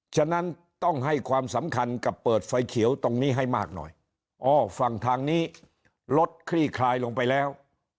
ฉะนั้นต้องให้ความสำคัญกับเปิดไฟเขียวตรงนี้ให้มากหน่อยอ๋อฝั่งทางนี้รถคลี่คลายลงไปแล้ว